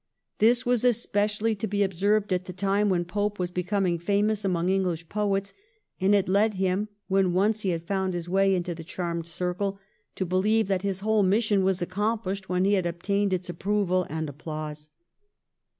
This was especially to be observed at the time when Pope was becoming famous among English poets, and it led him, when once he had found his way into the charmed circle, to believe that his whole mission was accomplished when he had obtained its approval and applause.